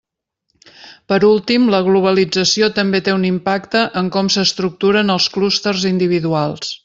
Per últim, la globalització també té un impacte en com s'estructuren els clústers individuals.